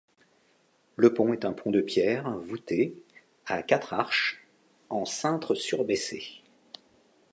Le pont est un pont de pierre, voûté, à quatre arches, en cintre surbaissé.